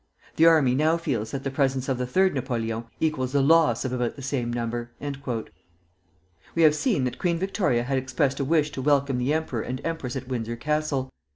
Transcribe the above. The army now feels that the presence of the Third Napoleon equals the loss of about the same number." We have seen that Queen Victoria had expressed a wish to welcome the emperor and empress at Windsor Castle.